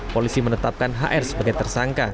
polisi menetapkan hr sebagai tersangka